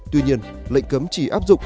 tuy nhiên lệnh cấm chỉ áp dụng